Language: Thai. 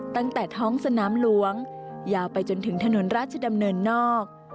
ตั้งแต่ท้องสนามหลวงยาวไปจนถึงถนนราชดำเนินนอก